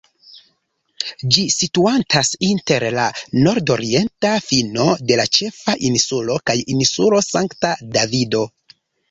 Ĝi situantas inter la nordorienta fino de la ĉefa insulo kaj Insulo Sankta Davido.